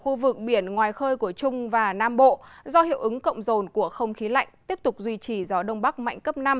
khu vực biển ngoài khơi của trung và nam bộ do hiệu ứng cộng rồn của không khí lạnh tiếp tục duy trì gió đông bắc mạnh cấp năm